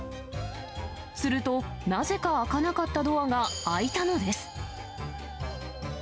すると、なぜか開かなかったドアが開いたのです。